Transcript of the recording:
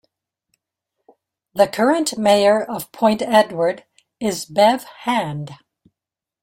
The current mayor of Point Edward is Bev Hand.